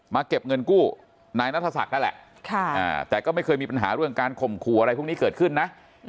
เก็บเงินกู้นายนัทศักดิ์นั่นแหละแต่ก็ไม่เคยมีปัญหาเรื่องการข่มขู่อะไรพวกนี้เกิดขึ้นนะ